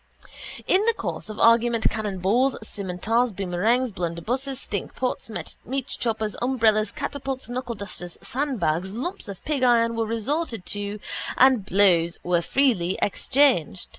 In the course of the argument cannonballs, scimitars, boomerangs, blunderbusses, stinkpots, meatchoppers, umbrellas, catapults, knuckledusters, sandbags, lumps of pig iron were resorted to and blows were freely exchanged.